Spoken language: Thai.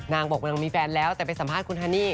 บอกว่านางมีแฟนแล้วแต่ไปสัมภาษณ์คุณฮันนี่